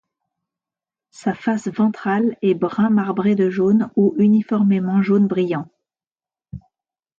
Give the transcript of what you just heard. Sa face ventrale est brun marbré de jaune ou uniformément jaune brillant.